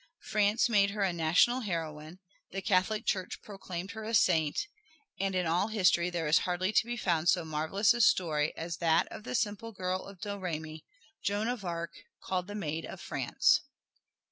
France made her a national heroine, the Catholic Church proclaimed her a Saint, and in all history there is hardly to be found so marvelous a story as that of the simple girl of Domremy, Joan of Arc, called the Maid of France.